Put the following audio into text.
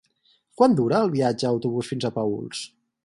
Quant dura el viatge en autobús fins a Paüls?